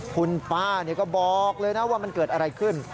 คุณป้าก็บอกเลยนะว่ามันเกิดอะไรขึ้น